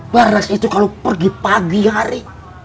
beras itu kalau pergi pagi hari